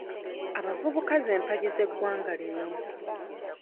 Abavubuka z'empagi z'eggwanga lino.